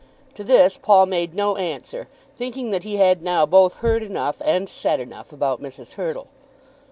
To this Paul made no answer, thinking that he had now both heard enough and said enough about Mrs. Hurtle.